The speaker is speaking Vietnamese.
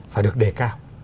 phải được đề cao